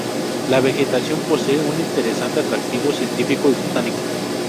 La vegetación posee un interesante atractivo científico y botánico.